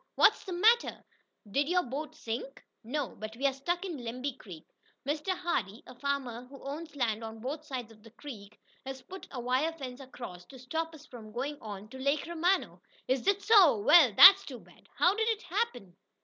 What's the matter, did your boat sink?" "No, but we're stuck in Lemby Creek. Mr. Hardee, a farmer who owns land on both sides of the creek, has put a wire fence across to stop us from going on to Lake Romano." "Is that so! Well, that's too bad. How did it happen?"